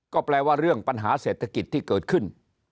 ก็แปลว่าเรื่องปัญหาเศรษฐกิจที่เกิดขึ้น